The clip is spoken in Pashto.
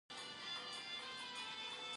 دریابونه د افغانستان د هیوادوالو لپاره ویاړ دی.